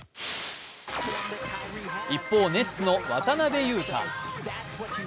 一方、ネッツの渡邊雄太。